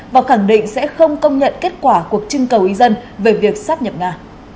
và khẳng định sẽ không công nhận kết quả cuộc trưng cầu ý dân về việc sắp nhập nga